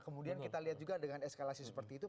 kemudian kita lihat juga dengan eskalasi seperti itu